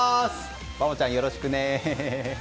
バボちゃん、よろしくね。